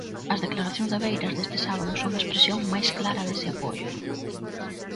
As declaracións de Beiras deste sábado son a expresión máis clara dese apoio.